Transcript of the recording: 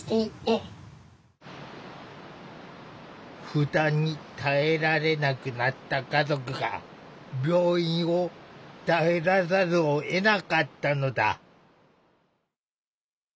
負担に耐えられなくなった家族が病院を頼らざるをえなかったのだ。